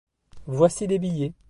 Voici des billets.